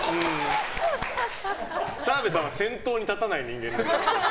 澤部さんは先頭に立たない人間なので。